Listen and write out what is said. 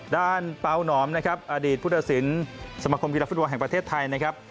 เปล่าหนอมนะครับอดีตพุทธศิลป์สมคมกีฬาฟุตบอลแห่งประเทศไทยนะครับ